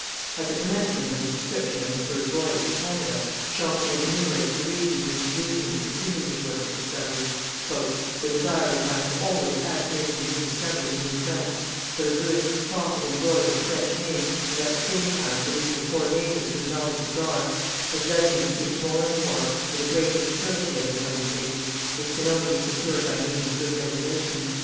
At the commencement of his description of his first voyage to Canada, Champlain enumerates the reasons which induced him to continue his work of discovery: "The desire which I have always had of making new discoveries in New France, for the good, profit and glory of the French name, and at the same time to lead the poor natives to the knowledge of God, has led me to seek more and more for the greater facility of this undertaking, which can only be secured by means of good regulations."